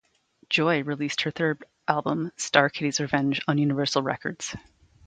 Joi released her third album "Star Kitty's Revenge", on Universal Records.